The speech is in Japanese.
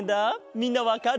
みんなわかるかな？